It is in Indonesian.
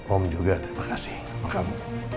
om juga terima kasih sama kamu